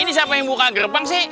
ini siapa yang buka gerbang sih